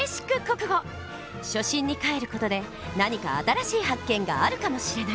初心にかえる事で何か新しい発見があるかもしれない！